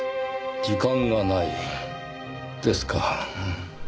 時間がないですか。